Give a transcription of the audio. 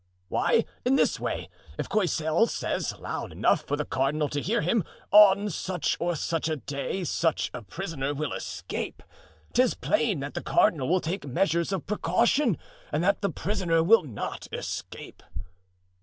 "Why, in this way: if Coysel says loud enough for the cardinal to hear him, on such or such a day such a prisoner will escape, 'tis plain that the cardinal will take measures of precaution and that the prisoner will not escape."